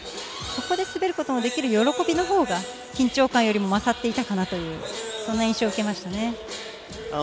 ここで滑ることができる喜びが緊張感より勝っていたかなと、そんな印象を受けますね。